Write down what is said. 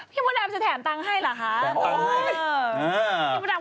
มดดำจะแถมตังค์ให้เหรอคะ